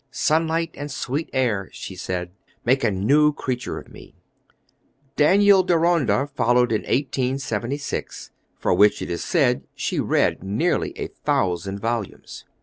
"Sunlight and sweet air," she said, "make a new creature of me." Daniel Deronda followed in 1876, for which, it is said, she read nearly a thousand volumes.